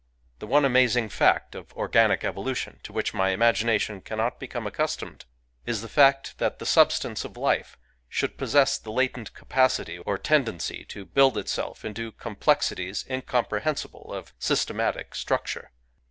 The one amazing fact of organic evolution, to which my imagination cannot become accustomed, is the fact that the substance of life should possess the latent capacity or tendency to build itself into complexi ties incomprehensible of systematic structure.